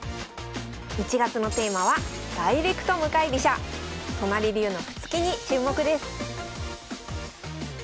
１月のテーマは都成流の歩突きに注目です